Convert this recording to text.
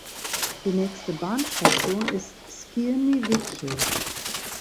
Die nächste Bahnstation ist Skierniewice.